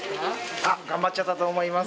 あ頑張っちょったと思います。